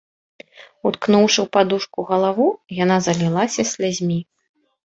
Уткнуўшы ў падушку галаву, яна залілася слязьмі.